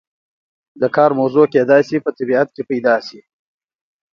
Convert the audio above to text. د کار موضوع کیدای شي په طبیعت کې پیدا شي.